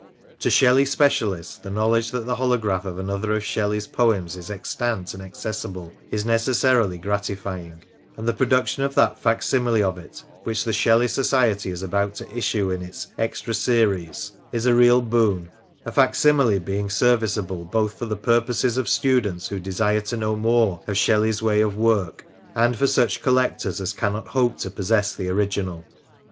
To Shelley specialists the knowledge that the holograph of another of Shelley's poems is extant and accessible is neces sarily gratifying ; and the production of that fac simile of it which the Shelley Society is about to issue in its 1 Januaiy 22, 1887. THE MASK OF ANARCHY, 17 "Extra Series" is a real boon,— a fac simile being serviceable both for the purposes of students who desire to know more of Shelley's way of work, and for such collectors as cannot hope to possess the original.